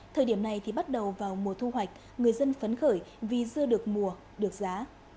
thời điểm này thì bắt đầu vào mùa thu hoạch người dân phấn khởi vì dưa được mùa được giá